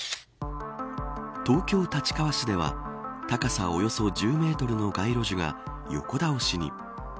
東京、立川市では高さおよそ１０メートルの街路樹が横倒しに。